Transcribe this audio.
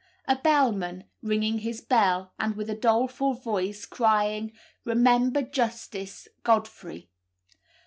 A bellman, ringing his bell, and with a doleful voice crying, "Remember Justice Godfrey."